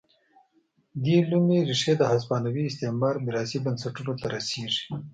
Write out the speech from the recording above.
دې لومې ریښې د هسپانوي استعمار میراثي بنسټونو ته رسېږي.